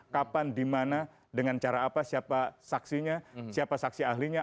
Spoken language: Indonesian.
kapan dimana dengan cara apa siapa saksinya siapa saksi ahlinya